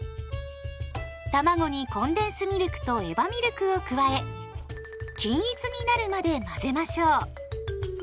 たまごにコンデンスミルクとエバミルクを加え均一になるまで混ぜましょう。